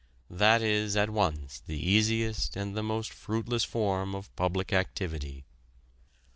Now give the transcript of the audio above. That is at once the easiest and the most fruitless form of public activity.